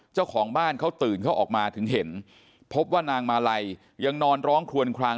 เจ้าของบ้านเขาตื่นเขาออกมาถึงเห็นพบว่านางมาลัยยังนอนร้องคลวนคลัง